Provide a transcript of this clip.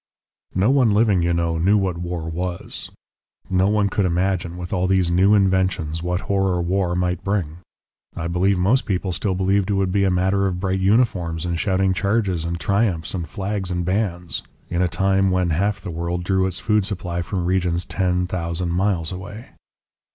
"No one living, you know, knew what war was; no one could imagine, with all these new inventions, what horror war might bring. I believe most people still believed it would be a matter of bright uniforms and shouting charges and triumphs and flags and bands in a time when half the world drew its food supply from regions ten thousand miles away